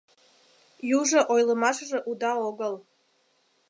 Южо ойлымашыже уда огыл.